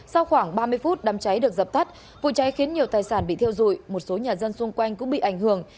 sau khoảng ba mươi phút đám cháy được dập tắt vụ cháy khiến nhiều tài sản bị thiêu dụi một số nhà dân xung quanh cũng bị ảnh hưởng